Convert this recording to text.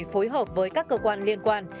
phối hợp với các cơ quan liên quan